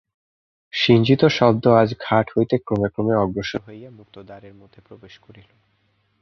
শিঞ্জিত শব্দ আজ ঘাট হইতে ক্রমে ক্রমে অগ্রসর হইয়া মুক্ত দ্বারের মধ্যে প্রবেশ করিল।